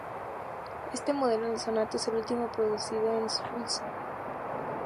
Este modelo del Sonata es el último producido en Ulsan.